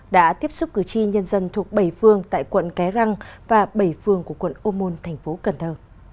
đã tiếp xúc cử tri nhân dân thuộc bảy phương tại quận cái răng và bảy phương của quận ô môn thành phố cần thơ